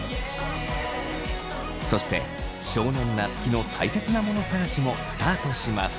そして少年夏樹のたいせつなもの探しもスタートします。